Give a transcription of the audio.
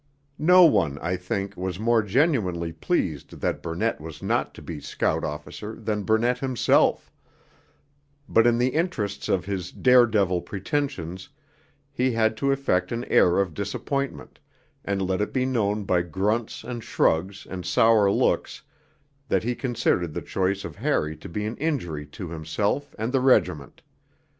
No one, I think, was more genuinely pleased that Burnett was not to be Scout Officer than Burnett himself; but in the interests of his 'dare devil' pretensions he had to affect an air of disappointment, and let it be known by grunts and shrugs and sour looks that he considered the choice of Harry to be an injury to himself and the regiment.